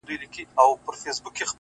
دوه زړونه په سترگو کي راگير سوله!!